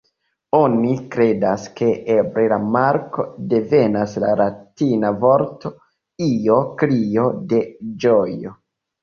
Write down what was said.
Oni kredas, ke eble la marko devenas la latina vorto "io", krio de ĝojo.